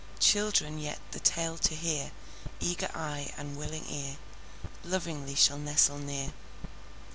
Children yet, the tale to hear, Eager eye and willing ear, Lovingly shall nestle near.